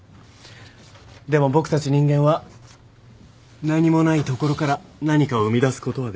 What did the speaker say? でも僕たち人間は何もないところから何かを生み出すことはできる。